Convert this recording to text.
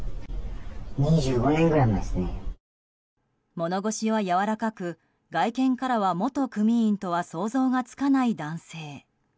物腰はやわらかく、外見からは元組員とは想像つかない男性。